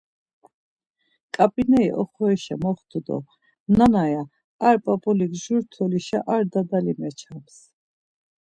Ǩap̌ineri oxorişa moxtu do, Nana, ya, ar p̌ap̌ulik jur tolişa ar dadali meçams.